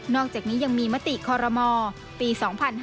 อกจากนี้ยังมีมติคอรมอปี๒๕๕๙